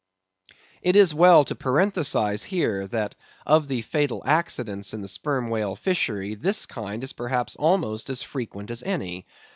It is well to parenthesize here, that of the fatal accidents in the Sperm Whale Fishery, this kind is perhaps almost as frequent as any.